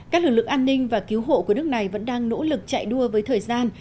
các lực lượng an ninh và cứu hộ của nước này vẫn đang nỗ lực chạy đua với thời gian